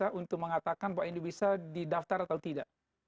yang pertama yang saya ingin mengatakan bahwa ini bisa didaftar atau tidak